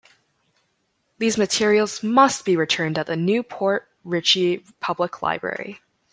These materials must be returned at the New Port Richey Public Library.